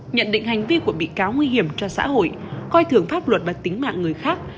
nhận định hành vi của bị cáo nguy hiểm cho xã hội coi thường pháp luật và tính mạng người khác